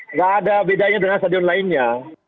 nggak ada bedanya dengan stadion lainnya